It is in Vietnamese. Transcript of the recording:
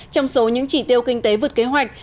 trong số những chỉ tiêu kinh tế vượt kế hoạch